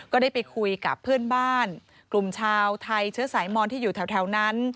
ก็ได้ไปคุยกับเพื่อนบ้านกลุ่มชาวไทยเชื้อสายมอนที่อยู่แถวนั้น